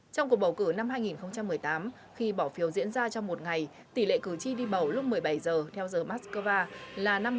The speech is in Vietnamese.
trong cuộc bầu cử năm hai nghìn một mươi tám khi bỏ phiếu diễn ra trong một ngày tỷ lệ cử tri đi bầu lúc một mươi bảy h theo giờ moskova là năm mươi một chín